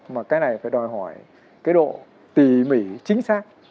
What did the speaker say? mà cái này phải đòi hỏi cái độ tỉ mỉ chính xác